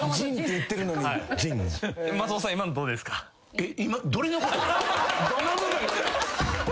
えっ！？